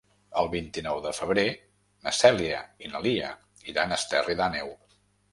El vint-i-nou de febrer na Cèlia i na Lia iran a Esterri d'Àneu.